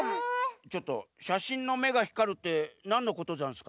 ちょっとしゃしんのめがひかるってなんのことざんすか？